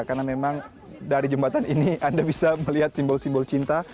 karena memang dari jembatan ini anda bisa melihat simbol simbol cinta